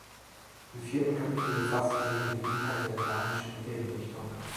Im vierten Kapitel befasst er sich mit dem Inhalt der iranischen Heldendichtung.